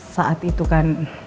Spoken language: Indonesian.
saat itu kan